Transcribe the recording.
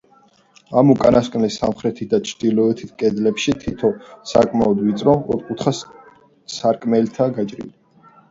ამ უკანასკნელის სამხრეთ და ჩრდილოეთ კედლებში თითო, საკმაოდ ვიწერო, ოთკუთხა სარკმელია გაჭრილი.